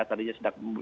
tadi sudah membaik